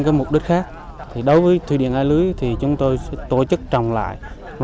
của chứa thủy điện a lưới